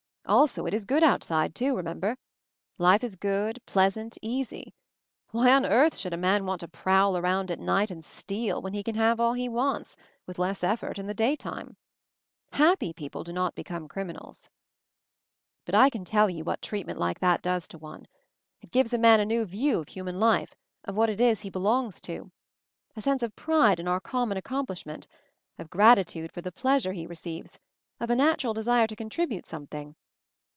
Also it is good outside too, remember. Life is good, pleasant, easy. Why on earth should a man want to prowl around at night and steal when he can have all he wants, with less effort, in the daytime? Happy people do not become criminals. "But I can tell you what treatment like that does to one. It gives a man a new view of human life, of what it is he belongs to. A sense of pride in our common accomplish ment, of gratitude for the pleasure he re ceives, of a natural desire to contribute some thing.